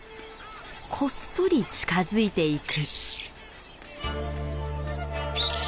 こっそり近づいていく。